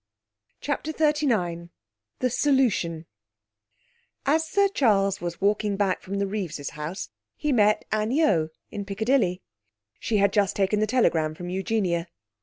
CHAPTER XXXIX The Solution As Sir Charles was walking back from the Reeves' house, he met Anne Yeo in Piccadilly. She had just taken the telegram from Eugenia.